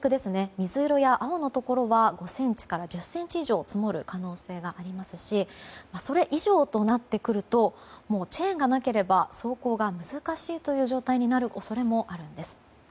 水色や青のところは５ｃｍから１０ｃｍ以上積もる可能性がありますしそれ以上となってくるとチェーンがなければ走行が難しいという状態になる恐れもあるんです。